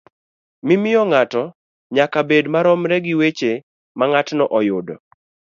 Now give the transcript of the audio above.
mimiyo ng'ato nyaka bed maromre gi weche ma ng'atno oyudo.